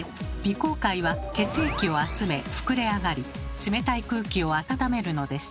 甲介は血液を集め膨れ上がり冷たい空気を温めるのです。